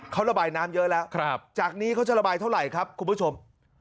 เขาระบายน้ำเยอะแล้วจากนี้เขาจะระบายเท่าไหร่ครับคุณผู้ชม